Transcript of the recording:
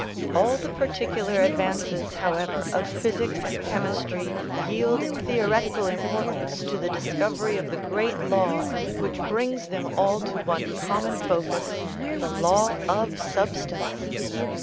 All the par ticular advances, however, of physics and chemistry yield in theoretical importance to the discovery of the great law which brings them all to one common focus, the " Law of Substance."